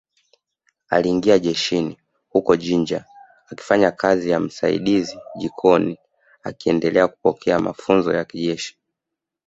Aliingia jeshini huko Jinja akifanya kazi ya msaidizi jikoni akiendelea kupokea mafunzo ya kijeshi